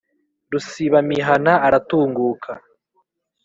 rusibamihana aratunguka